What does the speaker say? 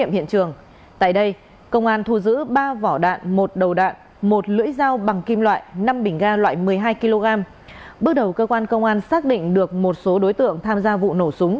bước đầu cơ quan công an xác định được một số đối tượng tham gia vụ nổ súng